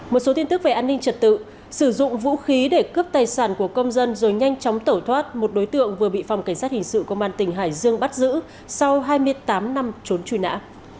một số tin tức về an ninh trật tự sử dụng vũ khí để cướp tài sản của công dân rồi nhanh chóng tẩu thoát một đối tượng vừa bị phòng cảnh sát hình sự công an tỉnh hải dương bắt giữ sau hai mươi tám năm trốn truy nã